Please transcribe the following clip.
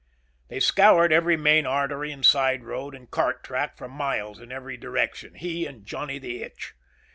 They scoured every main artery and side road and cart track for miles in every direction, he and Johnny the Itch.